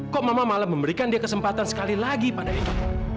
kok mama malah memberikan dia kesempatan sekali lagi pada itu